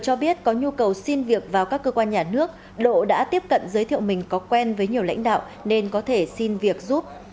cho biết có nhu cầu xin việc vào các cơ quan nhà nước độ đã tiếp cận giới thiệu mình có quen với nhiều lãnh đạo nên có thể xin việc giúp